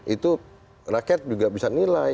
itu rakyat juga bisa nilai